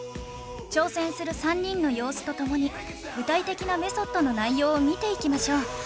挑戦する３人の様子と共に具体的なメソッドの内容を見ていきましょう